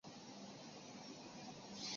隐藏商店